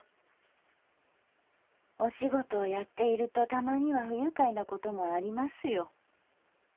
「お仕事をやっているとたまには不愉快なこともありますよ。